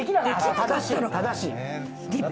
正しい正しい。